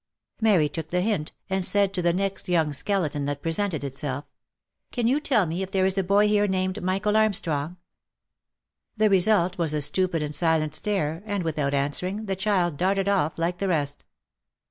Mary took the hint, and said to the next young skeleton that pre sented itself —" Can you tell me if there is a boy here named Michael Armstrong?" The result was a stupid and silent stare, and, without answering, the child darted off like the rest.